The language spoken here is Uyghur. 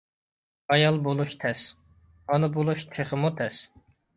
ئايال بولۇش تەس، ئانا بولۇش تېخىمۇ تەس.